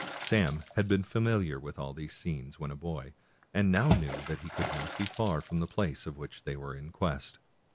Sam had been fa miliar with all these scenes when a boy, and now knew that he could not be far from the place of which they were in quest.